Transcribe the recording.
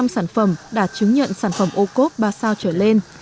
năm sản phẩm đã chứng nhận sản phẩm ổ cốp ba sao trở lên